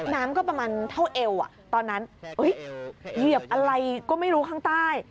น้ำก็ประมาณเท่าเอวตอนนั้นเหยียบอะไรก็ไม่รู้ข้างใต้